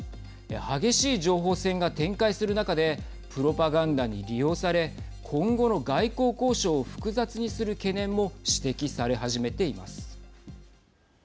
激しい情報戦が展開する中でプロパガンダに利用され今後の外交交渉を複雑にする懸念も指摘され始めています。